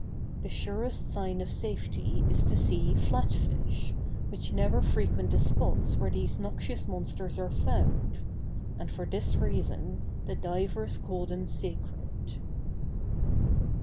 The surest sign of safety is to see flat fish, which never frequent the spots where these noxious monsters are found: and for this reason the divers call them sacred.